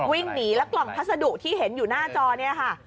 วิ่งหนีแล้วกล่องพัสดุที่เห็นอยู่หน้าจอเนี่ยค่ะ